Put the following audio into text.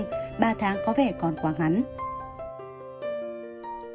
ba tháng có vẻ còn quá ngắn